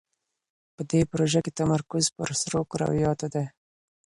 په دې پروژه کې تمرکز پر سرو کرویاتو دی.